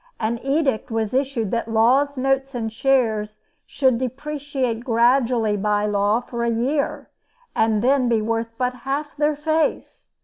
An edict was issued that Law's notes and shares should depreciate gradually by law for a year, and then be worth but half their face.